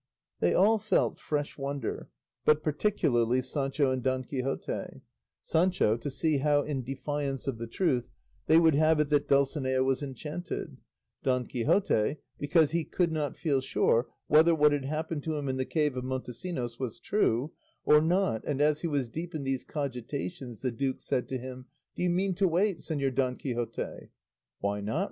They all felt fresh wonder, but particularly Sancho and Don Quixote; Sancho to see how, in defiance of the truth, they would have it that Dulcinea was enchanted; Don Quixote because he could not feel sure whether what had happened to him in the cave of Montesinos was true or not; and as he was deep in these cogitations the duke said to him, "Do you mean to wait, Señor Don Quixote?" "Why not?"